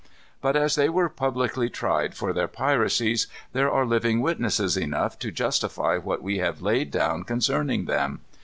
But as they were publicly tried for their piracies, there are living witnesses enough to justify what we have laid down concerning them.